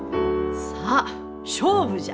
さあ勝負じゃ！